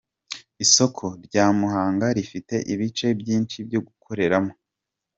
Isoko rya Muhanga rifite ibice byinshi byo gukoreramo.